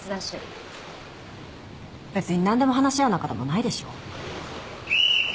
別になんでも話し合う仲でもないでしょ。